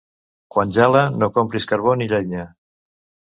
Quan gela no compris carbó ni llenya.